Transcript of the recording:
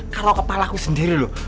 kalau kepala aku sendiri lu